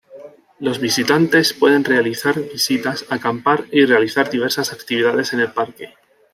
Los visitantes pueden realizar visitas, acampar y realizar diversas actividades en el parque.